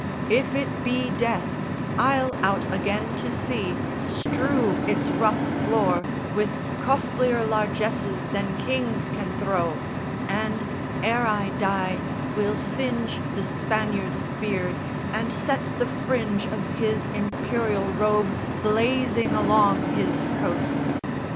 If it be death, I'll out again to sea, strew its rough floor With costlier largesses than kings can throw, And, ere I die, will singe the Spaniard's beard And set the fringe of his imperial robe Blazing along his coasts.